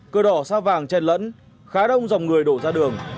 cơ đỏ xa vàng chen lẫn khá đông dòng người đổ ra đường